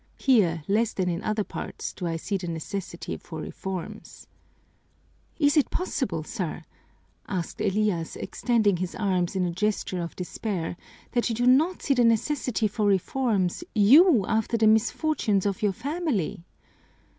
Here, less than in other parts, do I see the necessity for reforms." "Is it possible, sir," asked Elias, extending his arms in a gesture of despair, "that you do not see the necessity for reforms, you, after the misfortunes of your family?"